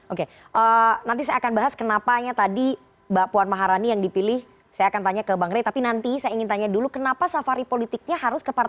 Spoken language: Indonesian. oke nanti saya akan bahas kenapanya tadi mbak puan maharani yang dipilih saya akan tanya ke bang ray tapi nanti saya ingin tanya dulu kenapa safari politiknya harus ke partai